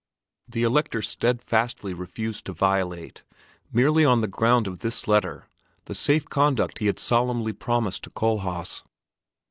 The Elector steadfastly refused to violate, merely on the ground of this letter, the safe conduct he had solemnly promised to Kohlhaas.